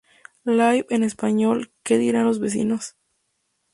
Live —en español:— ¿que dirán los vecinos?